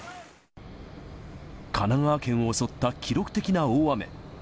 神奈川県を襲った記録的な大雨。